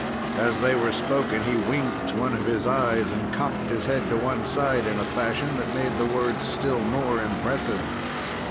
As they were spoken, he winked one of his eyes and cocked his head to one side, in a fashion that made the words still more impressive.